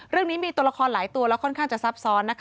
เรื่องนี้มีตัวละครหลายตัวแล้วค่อนข้างจะซับซ้อน